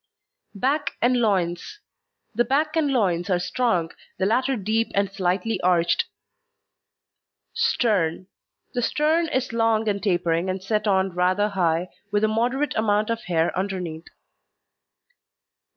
BACK AND LOINS The back and loins are strong, the latter deep and slightly arched. STERN The stern is long and tapering and set on rather high, with a moderate amount of hair underneath.